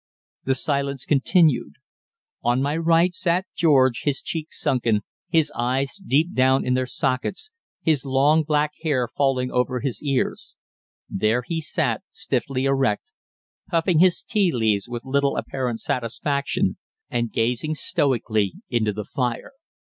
The silence continued. On my right sat George, his cheeks sunken, his eyes deep down in their sockets, his long black hair falling over his ears there he sat stiffly erect, puffing his tea leaves with little apparent satisfaction and gazing stoically into the fire.